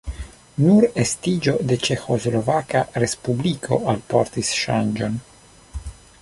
Nur estiĝo de Ĉeĥoslovaka respubliko alportis ŝanĝon.